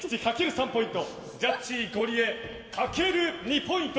３ポイントジャッジゴリエかける２ポイント。